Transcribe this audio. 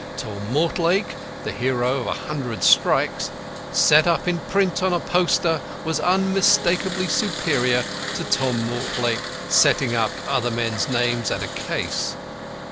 Tom Mortlake the hero of a hundred strikes set up in print on a poster, was unmistakably superior to Tom Mortlake setting up other men's names at a case.